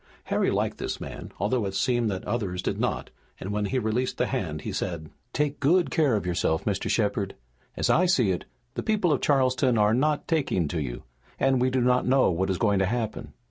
Harry liked this man, although it seemed that others did not, and when he released the hand he said: "Take good care of yourself, Mr. Shepard. As I see it, the people of Charleston are not taking to you, and we do not know what is going to happen."